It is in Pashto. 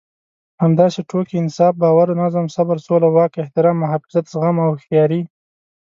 همداسې ټوکې، انصاف، باور، نظم، صبر، سوله، واک، احترام، محافظت، زغم او هوښياري.